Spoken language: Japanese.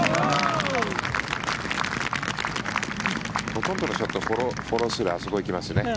ほとんどのショットフォロースルーであそこ行きますね。